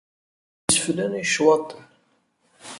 D iseflan i ccwaṭen.